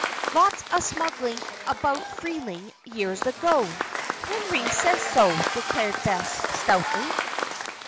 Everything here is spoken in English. "Lots of smuggling about Freeling years ago. Henry says so," declared Bess, stoutly.